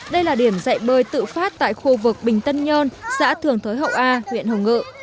đây là điểm dạy bơi tự phát tại khu vực bình tân nhơn xã thường thới hậu a huyện hồng ngự